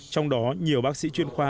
trong đó nhiều bác sĩ chuyên khoa